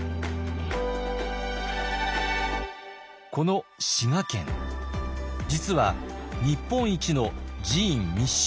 この滋賀県実は日本一の寺院密集地帯。